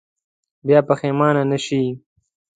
بیا پښېمانه نه شئ.